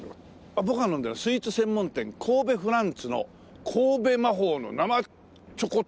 僕が飲んでるのはスイーツ専門店神戸フランツの神戸魔法の生チョコトルネードという。